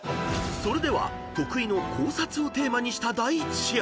［それでは『徳井の考察』をテーマにした第１試合］